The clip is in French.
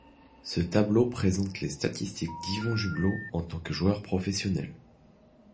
Ce tableau présente les statistiques d'Yvon Jublot en tant que joueur professionnel.